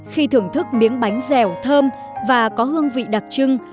khi thưởng thức miếng bánh dẻo thơm và có hương vị đặc trưng